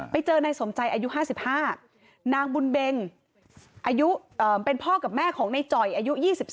ไปเจอนายสมใจอายุ๕๕นางบุญเบงอายุเป็นพ่อกับแม่ของในจ่อยอายุ๒๒